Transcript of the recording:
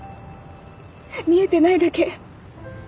見えてないだけ。